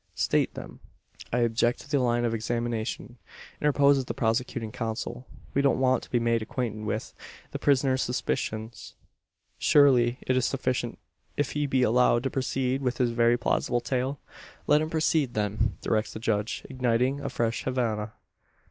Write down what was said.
"State them." "I object to the line of examination," interposes the prosecuting counsel. "We don't want to be made acquainted with, the prisoner's suspicions. Surely it is sufficient if he be allowed to proceed with his very plausible tale?" "Let him proceed, then," directs the judge, igniting a fresh Havannah.